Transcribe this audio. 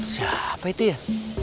siapa itu ya